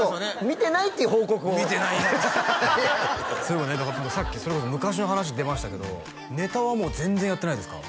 「見てない」っていう報告を「見てないんや」ってそういえばねさっきそれこそ昔の話出ましたけどネタはもう全然やってないですか？